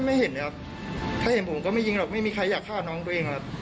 ไม่เห็นเลยครับถ้าเห็นผมก็ไม่ยิงหรอกไม่มีใครอยากฆ่าน้องตัวเองหรอก